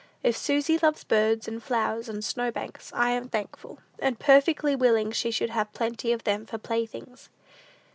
If Susy loves birds, and flowers, and snowbanks, I am thankful, and perfectly willing she should have plenty of them for playthings."